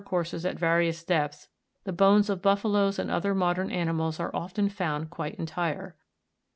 95 water courses at various depths, the bones of buffaloes and other modern animals are often found quite entire.